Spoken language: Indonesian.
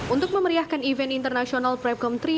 untuk memeriahkan event internasional prepcom tiga